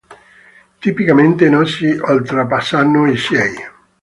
Tipicamente non si oltrepassano i sei.